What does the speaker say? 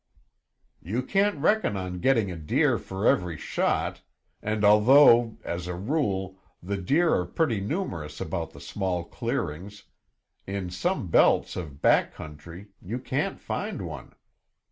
"You can't reckon on getting a deer for every shot, and although, as a rule, the deer are pretty numerous about the small clearings, in some belts of back country you can't find one.